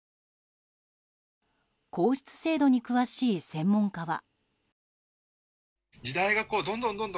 皇室制度に詳しい専門家は。